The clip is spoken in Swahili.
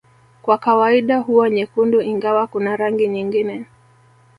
Kwa kawaida huwa nyekundu ingawa kuna rangi nyingine